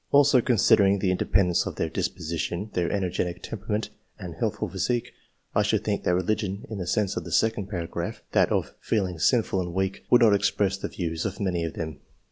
Also, considering the inde pendence of their disposition, their energetic temperament and healthful physique, I should think that religion, in the sense of the second paragraph — that of feeling sinful and weak — would not express the views of many of them.